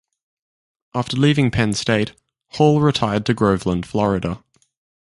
After leaving Penn State, Hall retired to Groveland, Florida.